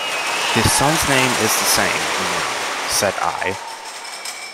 "His son's name is the same, you know," said I.